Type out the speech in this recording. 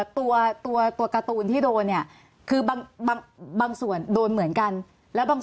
ตัวตัวการ์ตูนที่โดนเนี่ยคือบางส่วนโดนเหมือนกันแล้วบาง